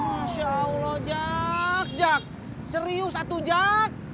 masya allah jak jak serius satu jak